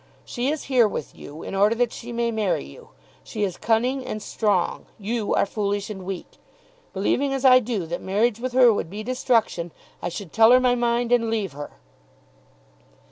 She is here with you in order that she may marry you. She is cunning and strong. You are foolish and weak. Believing as I do that marriage with her would be destruction, I should tell her my mind, and leave her."